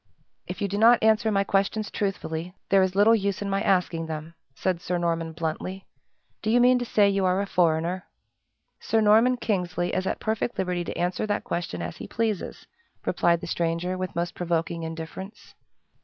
"If you do not answer my questions truthfully, there is little use in my asking them," said Sir Norman, bluntly. "Do you mean to say you are a foreigner?" "Sir Norman Kingsley is at perfect liberty to answer that question as he pleases," replied the stranger, with most provoking indifference.